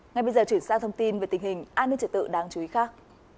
ngay bây giờ chuyển sang thông tin về tình hình an ninh trợ tự đáng chú ý khác